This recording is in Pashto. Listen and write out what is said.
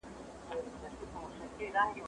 زه کولای سم سفر وکړم!؟